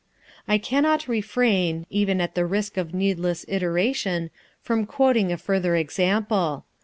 I cannot refrain, even at the risk of needless iteration, from quoting a further example.